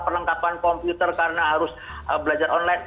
perlengkapan komputer karena harus belajar online